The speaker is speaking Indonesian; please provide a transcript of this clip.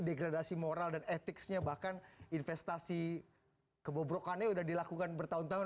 degradasi moral dan etiksnya bahkan investasi kebobrokannya sudah dilakukan bertahun tahun